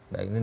baik ini dari